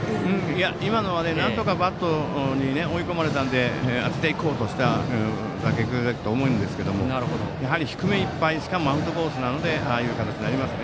いや、今のはなんとかバットに追い込まれたので当てていこうとした結果だと思うんですけどやはり低めいっぱいしかもアウトコースなのでああいう形になりました。